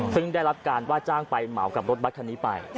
ซึ่งได้รับการว่าจ้างไปเหมากับรถบัตรคันนี้ไป